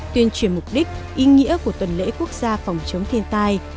tuyên truyền mục đích ý nghĩa của tuần lễ quốc gia phòng chống thiên tai